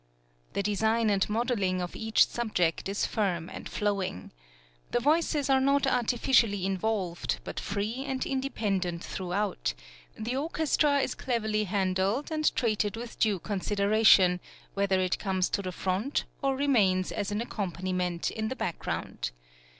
The design and modelling of each subject is firm and {FINALES OVERTURE.} (85) flowing. The voices are not artificially involved, but free and independent throughout; the orchestra is cleverly handled and treated with due consideration, whether it comes to the front, or remains as an accompaniment in the background.